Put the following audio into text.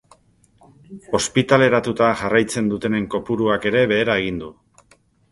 Ospitaleratuta jarraitzen dutenen kopuruak ere behera egin du.